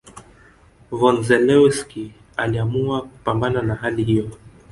Von Zelewski aliamua kupambana na hali hiyo